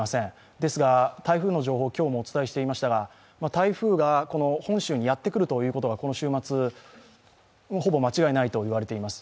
ですが、台風の情報を今日もお伝えしていましたが、台風が本州にやってくるということは、この週末ほぼ間違いないと言われています。